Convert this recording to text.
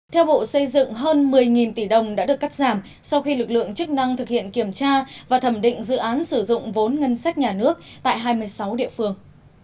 theo bộ xây dựng hơn một mươi tỷ đồng đã được cắt giảm sau khi lực lượng chức năng thực hiện kiểm tra và thẩm định dự án sử dụng vốn ngân sách nhà nước tại hai mươi sáu địa phương